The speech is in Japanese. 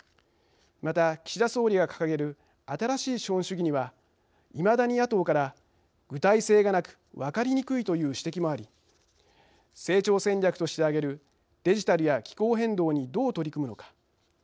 また、岸田総理が掲げる新しい資本主義にはいまだに、野党から具体性がなく、分かりにくいという指摘もあり成長戦略として挙げるデジタルや気候変動にどう取り組むのか。